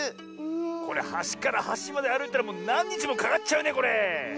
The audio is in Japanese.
これはしからはしまであるいたらもうなんにちもかかっちゃうねこれ！